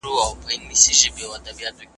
پوهان وايي چي لوستل د مغزو تمرين دی.